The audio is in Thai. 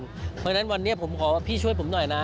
เพราะฉะนั้นวันนี้ผมขอพี่ช่วยผมหน่อยนะ